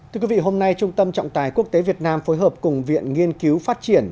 thưa quý vị hôm nay trung tâm trọng tài quốc tế việt nam phối hợp cùng viện nghiên cứu phát triển